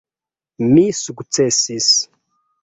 Mi sukcesis.